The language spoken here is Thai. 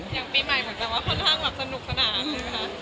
อย่างปีใหม่เหมือนกับว่าค่อนข้างแบบสนุกสนานเลยไหมคะ